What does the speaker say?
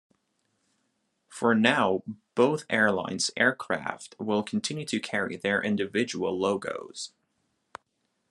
For now both airlines aircraft will continue to carry their individual logos.